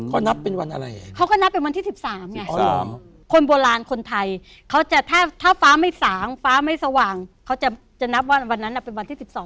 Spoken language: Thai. เขานับเป็นวันอะไรเขาก็นับเป็นวันที่๑๓ไงคนโบราณคนไทยเขาจะถ้าฟ้าไม่สางฟ้าไม่สว่างเขาจะนับว่าวันนั้นเป็นวันที่๑๒